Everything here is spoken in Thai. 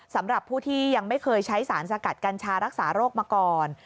สำหรับผู้ที่ยังไม่เคยใช้สารสกัดกัญชารักษาโรคมาก่อน